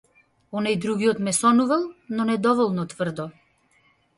Оној другиот ме сонувал, но недоволно тврдо.